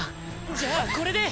じゃあこれで！